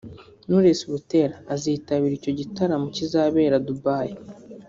Knowless Butera azitabira icyo gitaramo kizabera Dubai